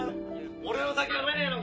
俺の酒が飲めねえのか！？